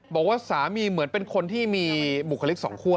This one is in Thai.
บอกว่าสามีเหมือนเป็นคนที่มีบุคลิกสองคั่ว